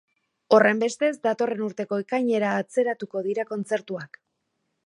Horrenbestez, datorren urteko ekainera atzeratuko dira kontzertuak.